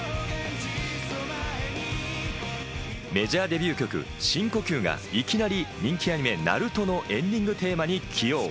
メジャーデビュー曲『深呼吸』がいきなり人気アニメ『ＮＡＲＵＴＯ』のエンディングテーマに起用。